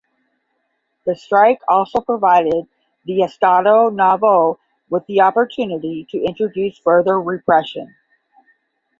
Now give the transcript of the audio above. The strike also provided the "Estado Novo" with the opportunity to introduce further repression.